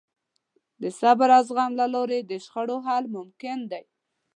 د صبر او زغم له لارې د شخړو حل ممکن دی.